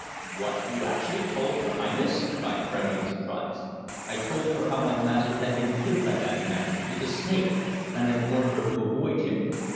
"What? You actually told her Highness!" cried Frémy in surprise. "I told her how my master had been killed by that man with the snake and I warned her to avoid him.